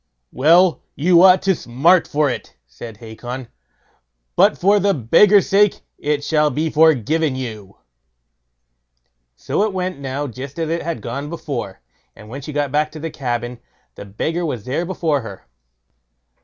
"Well, you ought to smart for it", said Hacon; "but for the beggar's sake it shall be forgiven you." So it went now just as it had gone before, and when she got back to the cabin, the beggar was there before her.